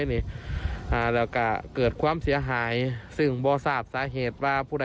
ใหม่หรือเก่า